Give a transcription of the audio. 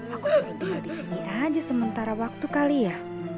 aku suruh tinggal disini aja sementara waktu kali ya